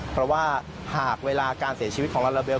เพราะว่าหากเวลาการเสียชีวิตของลาลาเบล